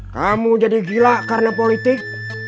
kamu jadi gila karena politik